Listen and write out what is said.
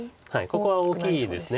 ここは大きいです。